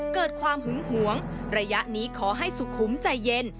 เกิดความหึงหวงระยะนี้ขอให้สุขุมใจเย็น